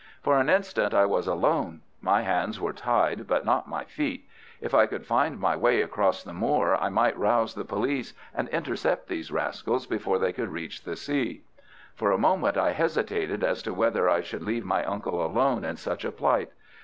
For an instant I was alone. My hands were tied but not my feet. If I could find my way across the moor I might rouse the police and intercept these rascals before they could reach the sea. For a moment I hesitated as to whether I should leave my uncle alone in such a plight.